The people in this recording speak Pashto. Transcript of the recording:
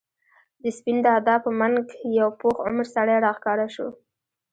د سپين دادا په منګ یو پوخ عمر سړی راښکاره شو.